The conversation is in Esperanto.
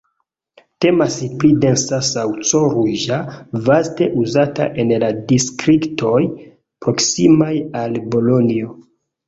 Temas pri densa saŭco, ruĝa, vaste uzata en la distriktoj proksimaj al Bolonjo.